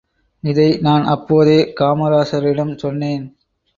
இதை நான் அப்போதே காமராசரிடம் சொன்னேன்.